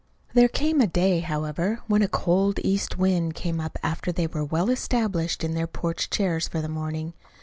There came a day, however, when a cold east wind came up after they were well established in their porch chairs for the morning.